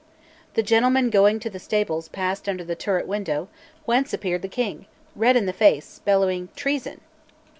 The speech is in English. The gentlemen going to the stables passed under the turret window, whence appeared the king, red in the face, bellowing "treason!"